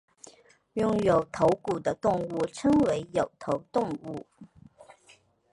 拥有头骨的动物称为有头动物。